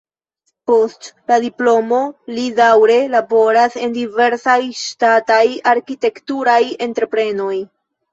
Post la diplomo li daŭre laboras en diversaj ŝtataj arkitekturaj entreprenoj.